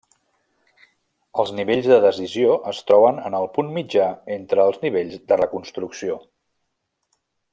Els nivells de decisió es troben en el punt mitjà entre els nivells de reconstrucció.